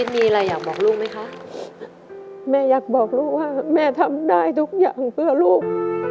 มีอะไรอยากบอกลูกไหมคะแม่อยากบอกลูกว่าแม่ทำได้ทุกอย่างเพื่อลูก